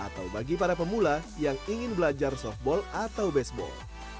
mungkin ada yang juga mau belajar softball atau baseball